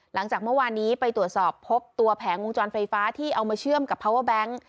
หลังจากเมื่อวานนี้ไปตรวจสอบพบตัวแผงวงจรไฟฟ้าที่เอามาเชื่อมกับพาวเวอร์แบงค์